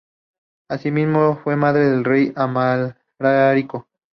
Asimismo fue madre del rey Amalarico.